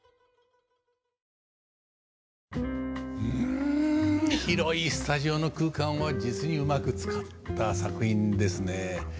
うん広いスタジオの空間を実にうまく使った作品ですね。